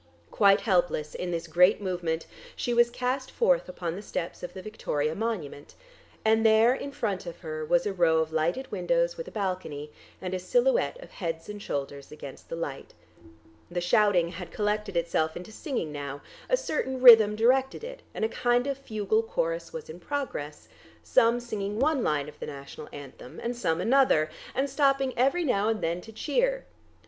Quite helpless in this great movement, she was cast forth upon the steps of the Victoria monument, and there in front of her was a row of lighted windows with a balcony, and the silhouette of heads and shoulders against the light. The shouting had collected itself into singing now, a certain rhythm directed it, and a kind of fugual chorus was in progress, some singing one line of the National Anthem, and some another, and stopping every now and then to cheer.